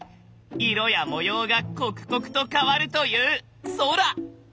色や模様が刻々と変わるという空！